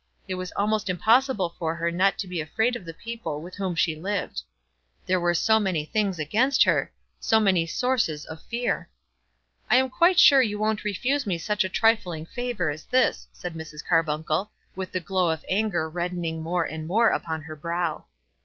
It was almost impossible for her not to be afraid of the people with whom she lived. There were so many things against her; so many sources of fear! "I am quite sure you won't refuse me such a trifling favour as this," said Mrs. Carbuncle, with the glow of anger reddening more and more upon her brow.